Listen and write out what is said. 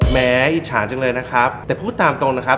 หมออิจฉาจังเลยนะครับแต่พูดตามตรงนะครับ